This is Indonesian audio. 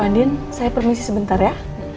din saya permisi sebentar ya